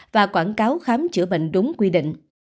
và quảng cáo khám chữa bệnh đúng quy định